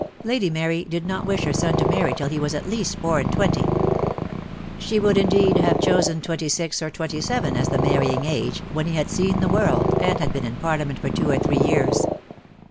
Lady Mary did not wish her son to marry till he was at least four and twenty. She would indeed have chosen twenty six or twenty seven as the marrying age, when he had seen the world, and had been in Parliament for two or three years.